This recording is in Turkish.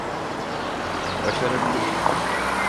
Başarabilirim.